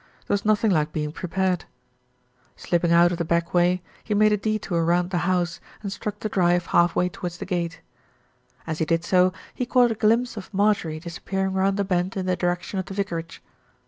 There was nothing like being prepared. Slipping out oj the back way, he made a detour round the house, and struck the drive half way towards the gate. 292 THE RETURN OF ALFRED As he did so, he caught a glimpse of Marjorie dis appearing round the bend in the direction of the vicarage.